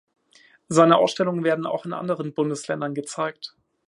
Seine Ausstellungen werden auch in anderen Bundesländern gezeigt.